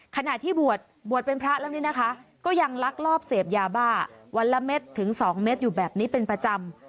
ขณะที่บวชเป็นพระก็ยังรักรอบเสพยาบ้าวันละเม็ดถึงสองเม็ดอยู่แบบนี้เป็นประจำ